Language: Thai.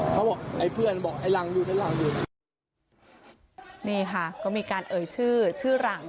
เลือกคนที่ปืน